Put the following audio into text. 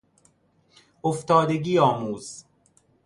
افتادگی آموز...